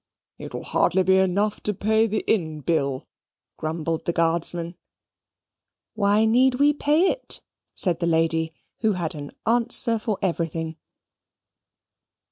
"It will hardly be enough to pay the inn bill," grumbled the Guardsman. "Why need we pay it?" said the lady, who had an answer for everything.